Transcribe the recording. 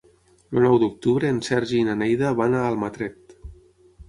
El nou d'octubre en Sergi i na Neida van a Almatret.